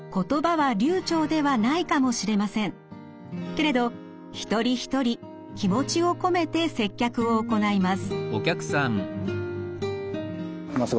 けれど一人一人気持ちを込めて接客を行います。